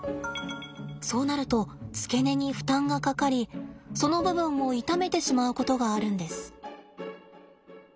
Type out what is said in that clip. そうなると付け根に負担がかかりその部分を痛めてしまうことがあるんです。